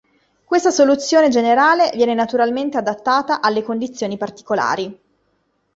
Questa soluzione generale viene naturalmente adattata alle condizioni particolari.